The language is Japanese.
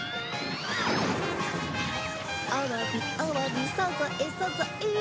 アワビアワビサザエサザエ。